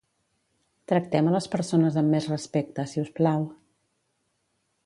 Tractem a les persones amb més respecte, siusplau.